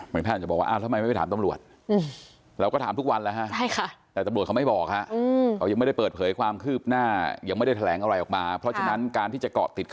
แมนแพทย์จะบอกว่าทำไมไม่ไปถามตำรวจ